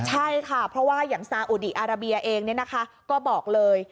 ใช่ค่ะเพราะว่าอย่างซาอุดีอาราเบียเองก็บอกเลย